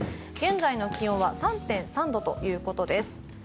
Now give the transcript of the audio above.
現在の気温は３．３度ということです。